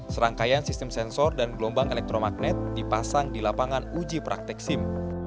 serangkaian sistem sensor dan gelombang elektromagnet dipasang di lapangan uji praktek sim